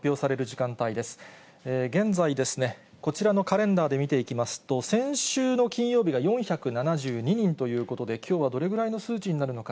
現在ですね、こちらのカレンダーで見ていきますと、先週の金曜日が４７２人ということで、きょうはどれぐらいの数値になるのか。